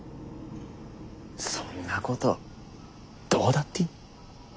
そんなことどうだっていい。